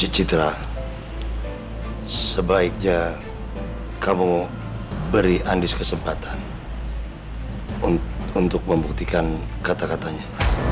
citra sebaiknya kamu beri anies kesempatan untuk membuktikan kata katanya